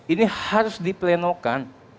ini harus di plenokan